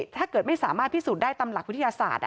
ถ้าเกิดไม่สามารถพิสูจน์ได้ตามหลักวิทยาศาสตร์